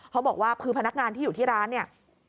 เขาบอกว่าคือพนักงานที่อยู่ที่ร้านเนี่ย